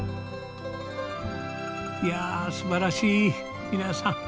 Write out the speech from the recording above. いやすばらしい皆さん。